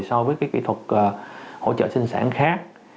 so với kỹ thuật hỗ trợ sinh sản khác